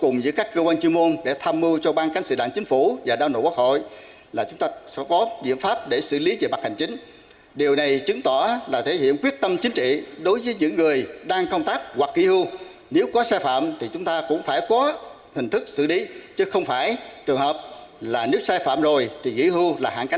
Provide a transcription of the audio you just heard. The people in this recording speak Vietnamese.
nếu sai phạm rồi thì nghỉ hưu là hạn cánh hoàn toàn